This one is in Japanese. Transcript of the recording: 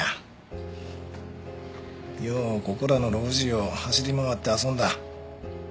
ようここらの路地を走り回って遊んだ。